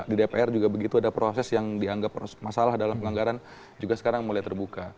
di dpr juga begitu ada proses yang dianggap masalah dalam penganggaran juga sekarang mulai terbuka